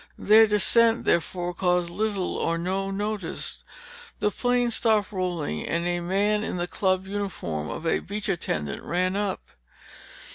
Their descent therefore caused little or no notice. The plane stopped rolling and a man in the club uniform of a beach attendant ran up.